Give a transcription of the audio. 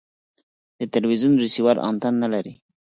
د تلوزیون ریسیور انتن نلري